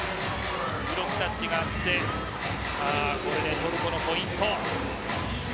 ブロックタッチがあってこれでトルコのポイント。